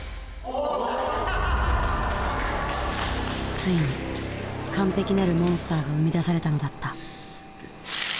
ついに完璧なるモンスターが生み出されたのだった。